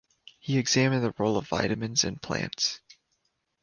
He examined the role of vitamins in plants.